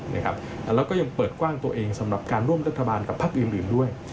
แล้วก็ยังเปิดกว้างตัวเองสำหรับการร่วมรัฐบาลกับพักอื่นด้วย